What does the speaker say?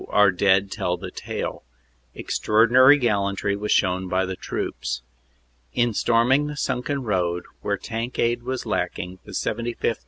our dead tell the tale. Extraordinary gallantry was shown by the troops. In storm ing the sunken road, where tank aid was lacking, the 75th.